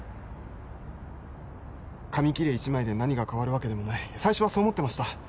紙切れ一枚で何が変わるわけでもない最初はそう思ってました